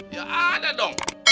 ya ada dong